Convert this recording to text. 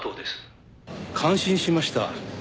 感心しました。